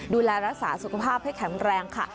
ดูแลรักษาสุขภาพให้แข็งแรงค่ะ